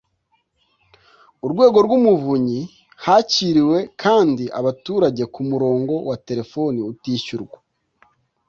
urwego rw Umuvunyi Hakiriwe kandi abaturage ku murongo wa telefoni utishyurwa